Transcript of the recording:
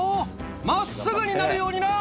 まっすぐになるようにな。